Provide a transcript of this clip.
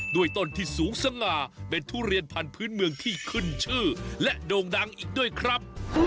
ด้วยต้นที่สูงสง่าเป็นทุเรียนพันธุ์เมืองที่ขึ้นชื่อและโด่งดังอีกด้วยครับ